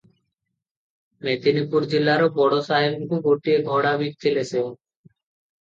ମେଦିନୀପୁର ଜିଲ୍ଲାର ବଡ଼ ସାହେବକୁ ଗୋଟିଏ ଘୋଡ଼ାବିକି ଥିଲେ ସେ ।